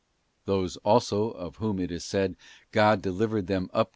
t Those also of whom it is said, 'God delivered them up to * Num.